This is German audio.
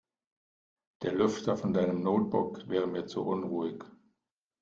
Der Lüfter von deinem Notebook wäre mir zu unruhig.